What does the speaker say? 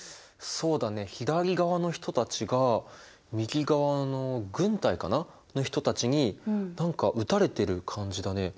そうだね左側の人たちが右側の軍隊かな？の人たちに何か撃たれてる感じだね。